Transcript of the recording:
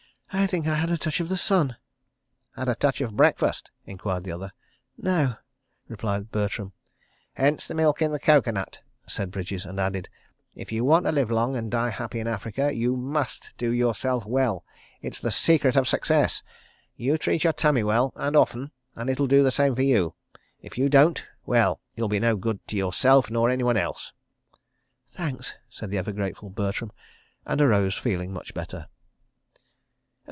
"I think I had a touch of the sun. ..." "Had a touch of breakfast?" enquired the other. "No," replied Bertram. "Hence the milk in the coco nut," said Bridges, and added, "If you want to live long and die happy in Africa, you must do yourself well. It's the secret of success. You treat your tummy well—and often—and it'll do the same for you. ... If you don't, well, you'll be no good to yourself nor anyone else." "Thanks," said the ever grateful Bertram, and arose feeling much better.